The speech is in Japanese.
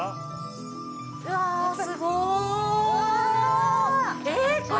うわー、すごい。